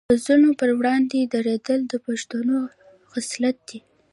د ظالم پر وړاندې دریدل د پښتون خصلت دی.